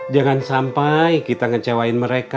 jangan sampai kita ngecewain mereka